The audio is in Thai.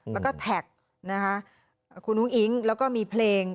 และก็ผิดข่าวนะคะอาคุณลุ้งอิ๊งค์แล้วก็มีเพลง